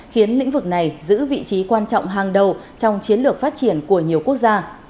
khiến lĩnh vực này giữ vị trí quan trọng hàng đầu trong chiến lược phát triển của nhiều quốc gia